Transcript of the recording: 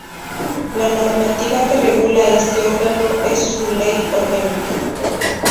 La normativa que regula este órgano es su Ley Orgánica.